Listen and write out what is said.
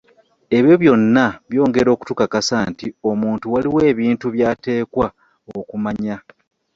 Ebyo byonna byongera okutukakasa nti omuntu waliwo ebintu by'ateekwa okumanya.